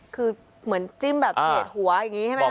คือเหมือนจิ้มแบบเฉดหัวอย่างนี้ใช่ไหมค